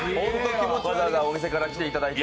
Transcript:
わざわざお店から来ていただいて。